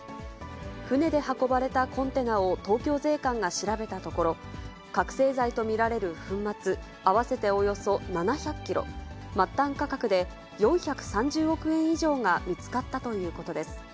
船で運ばれたコンテナを東京税関が調べたところ、覚醒剤と見られる粉末合わせておよそ７００キロ、末端価格で４３０億円以上が見つかったということです。